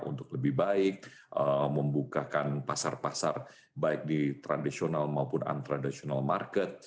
untuk lebih baik membukakan pasar pasar baik di tradisional maupun untraditional market